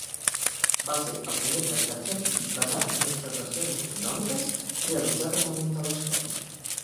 Va ser el primer tractat científic basat en observacions astronòmiques realitzades amb un telescopi.